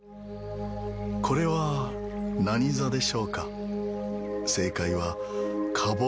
これは何座でしょうか。